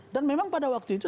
dan memang pada waktu itu